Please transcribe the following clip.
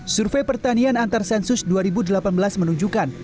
survei pertanian antar sensus dua ribu delapan belas menunjukkan